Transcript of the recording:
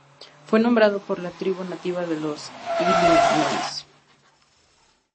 Fue nombrado por la tribu nativa de los illinois.